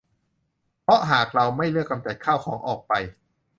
เพราะหากเราไม่เลือกกำจัดข้าวของออกไป